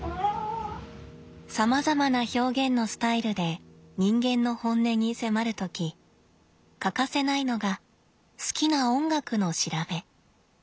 さまざまな表現のスタイルで人間の本音に迫る時欠かせないのが好きな音楽の調べ。